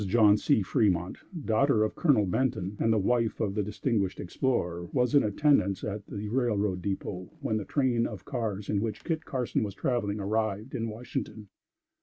John C. Fremont, daughter of Colonel Benton, and wife of the distinguished explorer, was in attendance at the railroad dépôt, when the train of cars in which Kit Carson was traveling arrived in Washington.